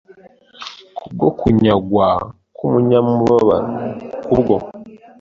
Ku bwo kunyagwa k umunyamubabaro Ku bwo